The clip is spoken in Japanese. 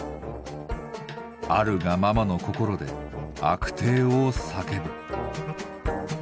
あるがままの心であくてえを叫ぶ。